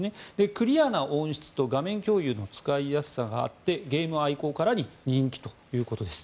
クリアな音質と画面共有の使いやすさがあってゲーム愛好家らに人気ということです。